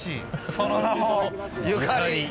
その名も「ゆかり」！